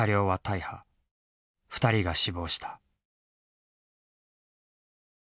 ２人が死亡した。